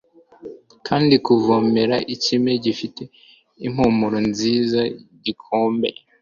kandi kuvomera ikime gifite impumuro nziza gikombe